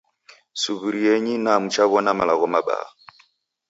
Suw'irienyi na mchaw'ona malagho mabaha